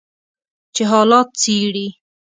چې حالات څیړي